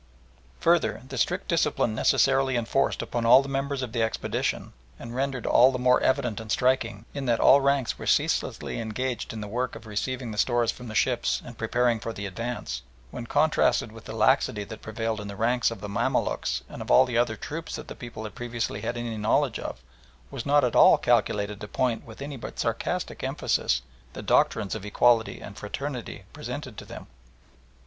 Further, the strict discipline necessarily enforced upon all the members of the expedition, and rendered all the more evident and striking, in that all ranks were ceaselessly engaged in the work of receiving the stores from the ships and preparing for the advance, when contrasted with the laxity that prevailed in the ranks of the Mamaluks and of all other troops that the people had previously had any knowledge of, was not at all calculated to point with any but sarcastic emphasis the doctrines of equality and fraternity presented to them.